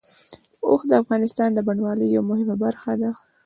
اوښ د افغانستان د بڼوالۍ یوه مهمه برخه ده.